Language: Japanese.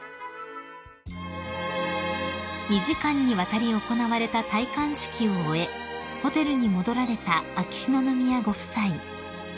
［２時間にわたり行われた戴冠式を終えホテルに戻られた秋篠宮ご夫妻］